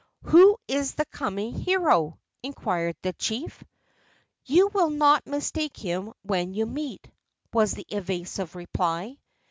"Who is the coming hero?" inquired the chief. "You will not mistake him when you meet," was the evasive reply.